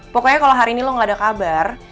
pokoknya kalau hari ini lo gak ada kabar